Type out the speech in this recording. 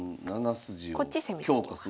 こっち攻めていきます。